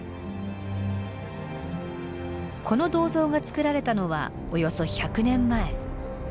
この銅像が作られたのはおよそ１００年前。